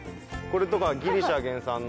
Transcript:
これとかはギリシャ？